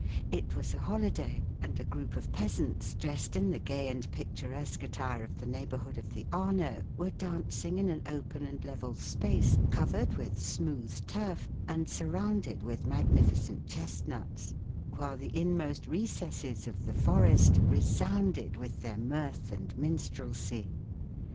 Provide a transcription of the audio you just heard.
It was a holiday, and a group of peasants dressed in the gay and picturesque attire of the neighborhood of the Arno were dancing in an open and level space covered with smooth turf and surrounded with magnificent chestnuts, while the inmost recesses of the forest resounded with their mirth and minstrelsy.